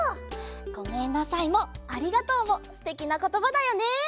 「ごめんなさい」も「ありがとう」もすてきなことばだよね！